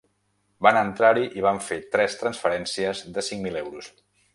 Van entrar-hi i van fer tres transferències de cinc mil euros.